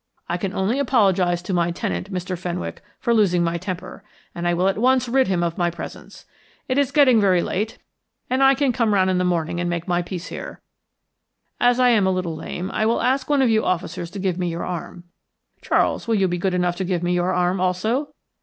I can only apologise to my tenant, Mr. Fenwick, for losing my temper, and I will at once rid him of my presence. It is getting very late, and I can come round in the morning and make my peace here. As I am a little lame, I will ask one of you officers to give me your arm. Charles, will you be good enough to give me your arm also?